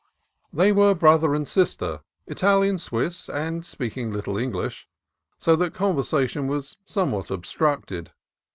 They were brother and sister, Italian Swiss, and speaking little English, so that conversation was somewhat obstructed.